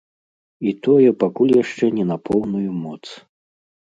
І тое пакуль яшчэ не на поўную моц.